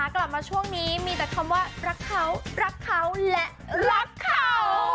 กลับมาช่วงนี้มีแต่คำว่ารักเขารักเขาและรักเขา